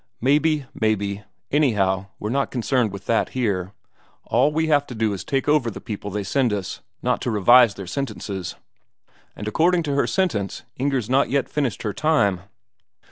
'Maybe, maybe. Anyhow, we're not concerned with that here. All we have to do is to take over the people they send us; not to revise their sentences. And according to her sentence, Inger's not yet finished her time.'